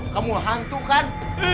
kamu hantu kan